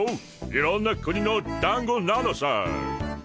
いろんな国のだんごなのさ。